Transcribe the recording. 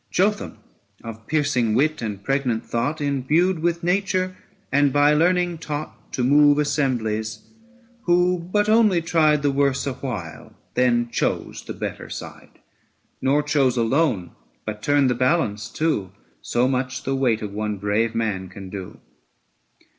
Jotham of piercing wit and pregnant thought, Endued by nature and by learning taught To move assemblies, who but only tried The worse a while, then chose the better side, 885 Nor chose alone, but turned the balance too, So much the weight of one brave man can do.